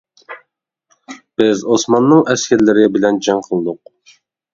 بىز ئوسماننىڭ ئەسكەرلىرى بىلەن جەڭ قىلدۇق.